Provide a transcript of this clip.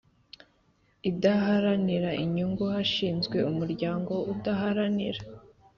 Idaharanira inyungu hashinzwe umuryango udaharanira